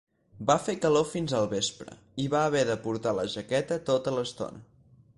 Va fer calor fins al vespre i va haver de portar la jaqueta tota l'estona.